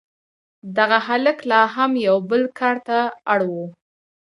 دغه هلک لا هم یو بل کار ته اړ و